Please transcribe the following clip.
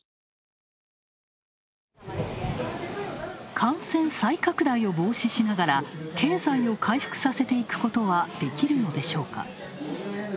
感染再拡大を防止しながら経済を回復させていくことはできるのでしょうか。